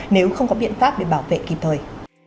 nếu không có biện pháp để bảo vệ kịp thời